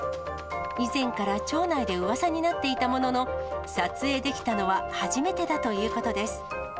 以前から町内で噂になっていたものの、撮影できたのは初めてだということです。